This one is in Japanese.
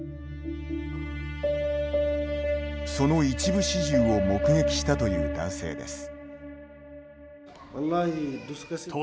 その一部始終を目撃したという男性です。